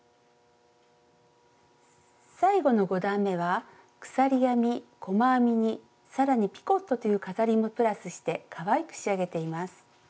最後の５段めは鎖編み細編みに更にピコットという飾りもプラスしてかわいく仕上げています。